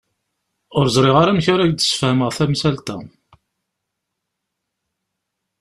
Ur ẓriɣ ara amek ara ak-d-sfehmeɣ tamsalt-a.